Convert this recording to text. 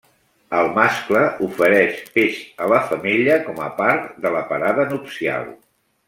El mascle ofereix peix a la femella com a part de la parada nupcial.